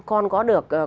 con có được